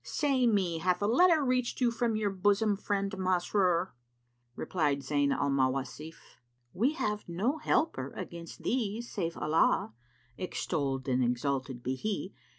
Say me, hath a letter reached you from your bosom friend Masrur?" Replied Zayn al Mawasif, "We have no helper against thee save Allah, extolled and exalted be He!